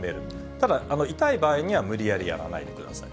ただ痛い場合には無理やりやらないでください。